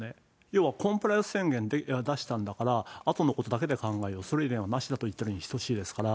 要はコンプライアンス宣言出したんだから、あとのことだけで考える、それ以前はなしだと言っているのに等しいですから。